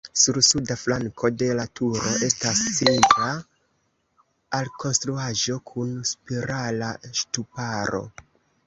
Sur suda flanko de la turo estas cilindra alkonstruaĵo kun spirala ŝtuparo.